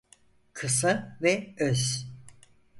Kısa ve öz.